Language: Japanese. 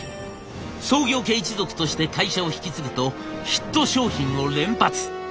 創業家一族として会社を引き継ぐとヒット商品を連発。